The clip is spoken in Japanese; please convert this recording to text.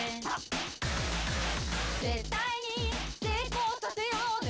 「絶対に成功させようね」